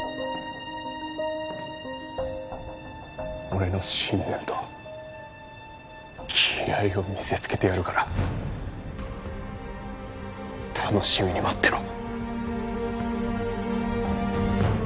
俺の信念と気合を見せつけてやるから楽しみに待ってろ。